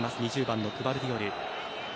２０番、グヴァルディオル。